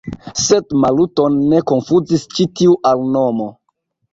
Sed Maluton ne konfuzis ĉi tiu alnomo.